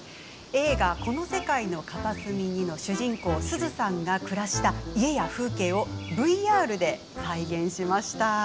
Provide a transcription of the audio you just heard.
映画「この世界の片隅に」の主人公すずさんが暮らした家や風景をＶＲで再現しました。